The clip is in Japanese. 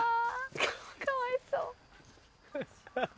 かわいそう。